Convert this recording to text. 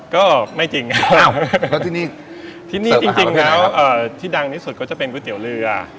ก็ไม่จริงครับแล้วที่นี้เสิร์ฟอาหารประเภทไหนครับที่ดังนิดสุดก็จะเป็นก๋วยเตี๋ยวเรือ